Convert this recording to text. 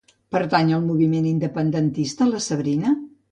Pertany al moviment independentista la Sabrina?